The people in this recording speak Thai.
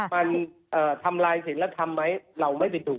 มันทำลายสินลักษณ์ทำไหมเราไม่ได้ดู